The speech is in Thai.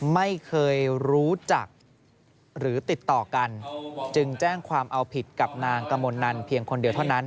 ไม่เคยรู้จักหรือติดต่อกันจึงแจ้งความเอาผิดกับนางกมลนันเพียงคนเดียวเท่านั้น